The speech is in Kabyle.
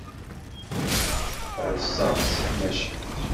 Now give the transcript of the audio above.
Rseɣ-d si tmacint.